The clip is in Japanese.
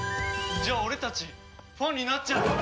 じゃあ俺たちファンになっちゃうよ！